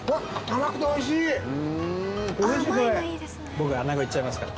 僕穴子いっちゃいますから。